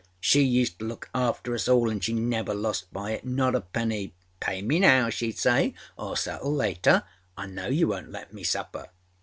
She used to look after us all, anâ she never lost by itânot a penny! âPay me now,â sheâd say, âor settle later. I know you wonât let me suffer.